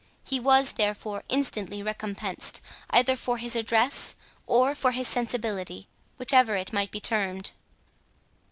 He was therefore instantly recompensed, either for his address or for his sensibility, whichever it might be termed.